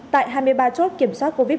tại hai mươi ba chốt kiểm soát covid một mươi